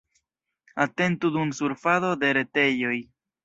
Atentu dum surfado de retejoj.